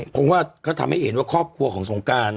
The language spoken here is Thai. เพราะว่าเขาทำให้เห็นว่าครอบครัวของสงการ